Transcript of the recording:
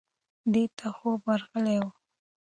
ده ته خوب ورغلی و.